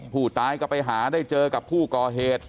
ผู้ตายก็ไปหาได้เจอกับผู้ก่อเหตุ